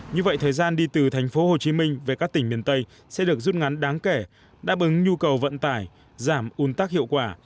như vậy thời gian đi từ thành phố hồ chí minh về các tỉnh miền tây sẽ được rút ngắn đáng kể đáp ứng nhu cầu vận tải giảm un tắc hiệu quả